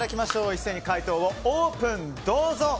一斉に解答をオープン。